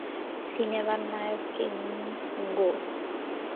সিনেমার নায়ক, কিঙ্গো।